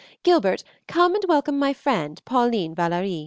Gilbert, come and welcome my friend Pauline Valary."